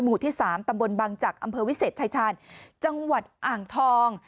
หมู่ที่๓ตำบลบังจักรอำเภอวิเศษชายชาญจังหวัดอ่างทอง